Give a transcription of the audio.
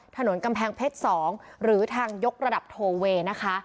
ถนนกำแพงเพชร๒หรือทางยกระดับโทเวนะคะ